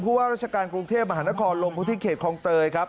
คุณผู้ว่าราชการกรุงเทพมหานครลงพฤทธิเขตครองเตยครับ